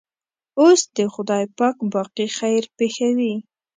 اوس دې خدای پاک باقي خیر پېښوي.